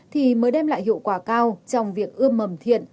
thì mới đem lại hiệu quả cao trong việc ươm mầm thiện